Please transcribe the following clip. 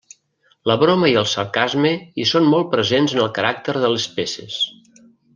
La broma i el sarcasme hi són molt presents en el caràcter de les peces.